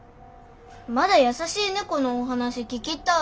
まだ「やさしい猫」のお話聞きたい。